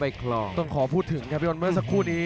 ดูครับปวงในของเพชรดำครับเสียบขวาก็ทุกเข้าไป